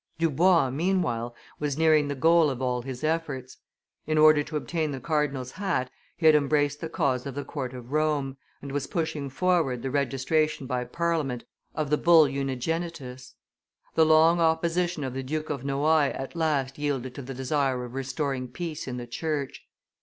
Dubois, meanwhile, was nearing the goal of all his efforts. In order to obtain the cardinal's hat, he had embraced the cause of the Court of Rome, and was pushing forward the registration by Parliament of the Bull Unigenitus. The long opposition of the Duke of Noailles at last yielded to the desire of restoring peace in the church.